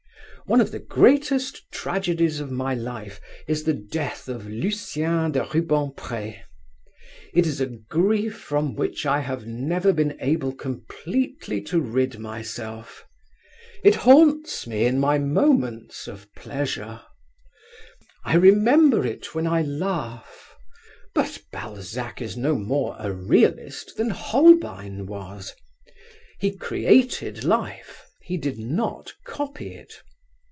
One of the greatest tragedies of my life is the death of Lucien de Rubempré. It is a grief from which I have never been able completely to rid myself. It haunts me in my moments of pleasure. I remember it when I laugh. But Balzac is no more a realist than Holbein was. He created life, he did not copy it.